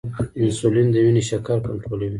انسولین د وینې شکر کنټرولوي